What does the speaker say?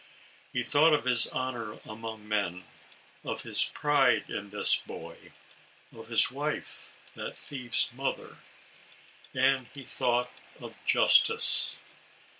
He thought of his honor among men, of his pride in this boy, of .his wife, that thief's mother, — and he thought of justice.